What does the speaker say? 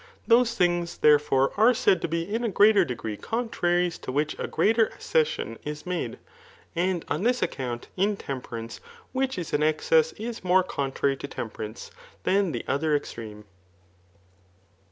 Those things, therefore, are said to be in a greater degree contraries, to which a greater accession is made j and on this account intemperance, which is an excess, is more ccmtrary to temperance [than the other extreme].